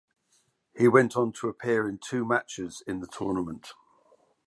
He went on to appear in two matches in the tournament.